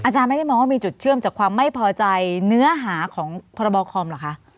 อาจารย์ไม่ได้มองว่ามีจุดเชื่อมจากความไม่พอใจเนื้อหาของพรบคอมเหรอคะ